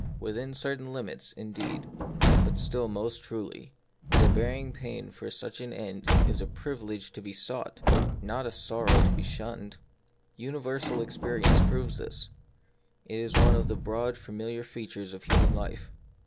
Within cer tain limits, indeed, but still most truly, the bearing pain for such an end is a privilege to be sought, not a sorrow to be shunned. Uni versal experience proves this : it is one of the broad familiar features of human life.